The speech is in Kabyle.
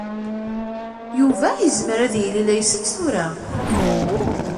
Yuba yezmer ad yili la isett tura.